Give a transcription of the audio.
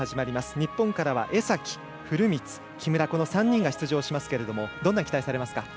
日本からは江崎、古満、木村この３人が出場しますけれどもどんな期待をされますか？